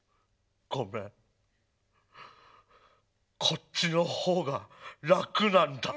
こっちの方が楽なんだ。